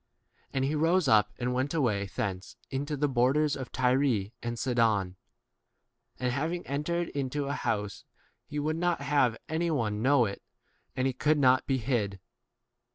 24 And he rose up and went away thence into the borders of Tyre and Sidon; and having entered into a house he would not have any one know [it], and he could 25 not be hid.